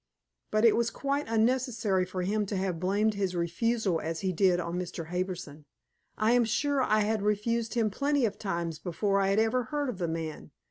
But it was quite unnecessary for him to have blamed his refusal, as he did, on Mr. Harbison. I am sure I had refused him plenty of times before I had ever heard of the man.